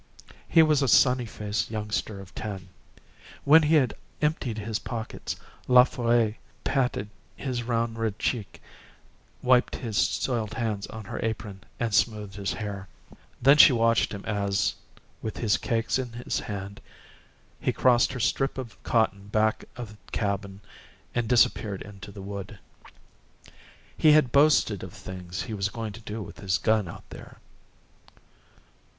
He was a sunny faced youngster of ten. When he had emptied his pockets, La Folle patted his round red cheek, wiped his soiled hands on her apron, and smoothed his hair. Then she watched him as, with his cakes in his hand, he crossed her strip of cotton back of the cabin, and disappeared into the wood. He had boasted of the things he was going to do with his gun out there.